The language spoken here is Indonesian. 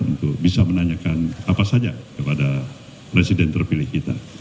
untuk bisa menanyakan apa saja kepada presiden terpilih kita